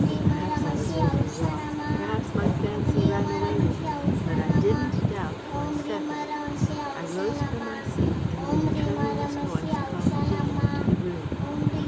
Perhaps I was overwrought. Perhaps my fancy ran away with me. But I didn't doubt for a second. I rose from my seat, and in a tremulous voice called Jane into the room.